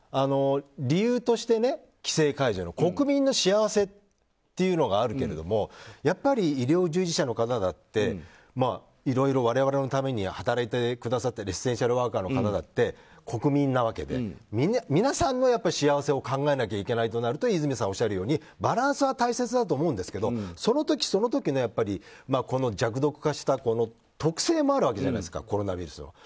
これ、規制解除の理由として国民の幸せっていうのがあるけれども、やっぱり医療従事者の方だっていろいろ我々のために働いてくださっているエッセンシャルワーカーの方だって国民なわけで、皆さんの幸せを考えなければいけないとなると和泉さんがおっしゃるようにバランスが大切だとは思うんですけどその時その時の弱毒化した特性もあるわけじゃないですかコロナウイルスの。